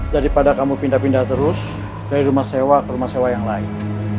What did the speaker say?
daripada kamu pindah pindah terus dari rumah sewa ke rumah sewa yang lain